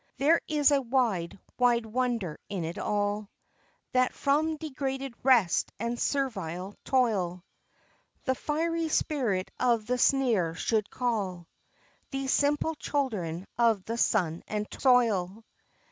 There is a wide, wide wonder in it all, That from degraded rest and servile toil The fiery spirit of the seer should call These simple children of the sun and soil.